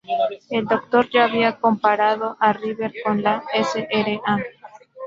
El Doctor ya había comparado a River con la Sra.